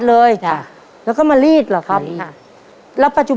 ครอบครัวของแม่ปุ้ยจังหวัดสะแก้วนะครับ